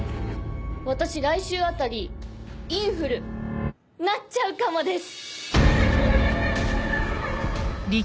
私来週あたりインフルなっちゃうかもです。